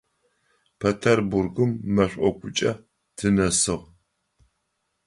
Петербургым мэшӏокукӏэ тынэсыгъ.